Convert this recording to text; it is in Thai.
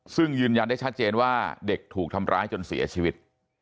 ซึ่งยืนยันได้ชัดเจนว่าเด็กถูกทำร้ายจนเสียชีวิต